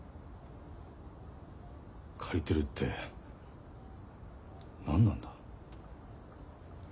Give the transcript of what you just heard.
借りてるって何なんだ？